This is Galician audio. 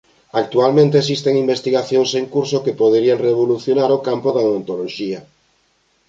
Actualmente existen investigacións en curso que poderían revolucionar o campo da odontoloxía.